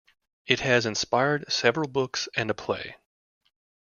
It has inspired several books and a play.